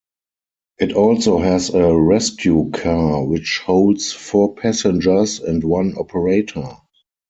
It also has a rescue car which holds four passengers and one operator.